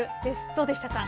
どうでしたか。